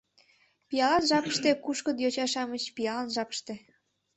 Пиалан жапыште кушкыт йоча-шамыч, пиалан жапыште.